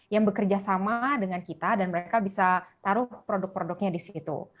yang bekerja sama dengan kita dan mereka bisa taruh produk produknya di situ